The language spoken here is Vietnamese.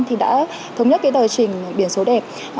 thì đã thống nhất tờ trình biển số đẹp